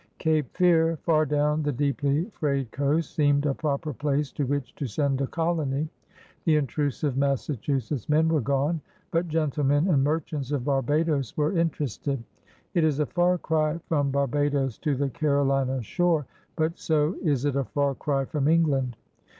Cape Fear, far down the deeply frayed coast, seemed a proper place to which to send a colony. The intrusive Massachusetts men were gone. But "gentlemen and merchants" of Barbados were interested. It is a far cry from Barbados to the Carolina shore, but so is it a far cry from England.